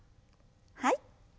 はい。